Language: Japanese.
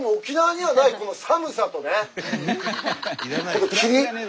この霧。